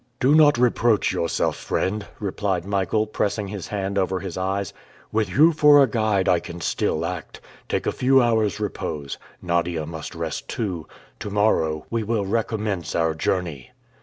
"Do not reproach yourself, friend," replied Michael, pressing his hand over his eyes. "With you for a guide I can still act. Take a few hours' repose. Nadia must rest too. To morrow we will recommence our journey!"